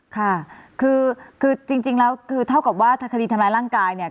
ค่ะคือจริงแล้วคือเท่ากับว่าถ้าคดีทำร้ายร่างกายเนี่ย